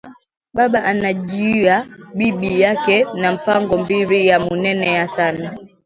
Baba anaujiya bibi yake ma mpango mbiri ya munene sana